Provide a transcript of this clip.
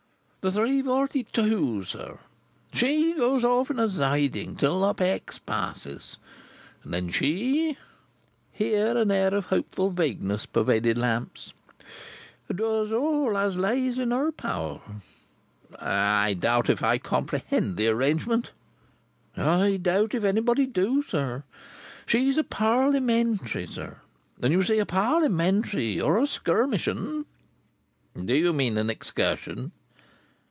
"The three forty two, sir. She goes off in a sidin' till the Up X passes, and then she," here an air of hopeful vagueness pervaded Lamps, "doos all as lays in her power." "I doubt if I comprehend the arrangement." "I doubt if anybody do, sir. She's a Parliamentary, sir. And, you see, a Parliamentary, or a Skirmishun—" "Do you mean an Excursion?"